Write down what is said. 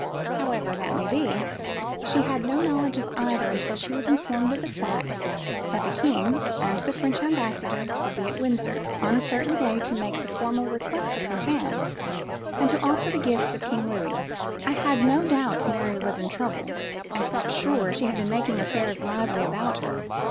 However that may be, she had no knowledge of either until she was informed of the fact that the king and the French ambassador would be at Windsor on a certain day to make the formal request for her hand and to offer the gifts of King Louis. I had no doubt Mary was in trouble, and felt sure she had been making affairs lively about her.